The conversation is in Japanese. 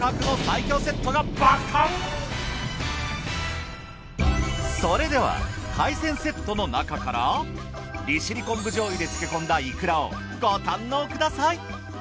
破格のそれでは海鮮セットの中から利尻昆布醤油で漬け込んだいくらをご堪能ください。